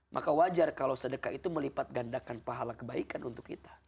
maka wajar kalau sedekah itu melipat gandakan pahala kebaikan untuk kita